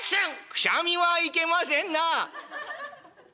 「くしゃみはいけませんなあ」。